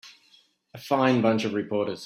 A fine bunch of reporters.